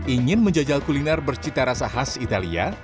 ingin menjajal kuliner bercita rasa khas italia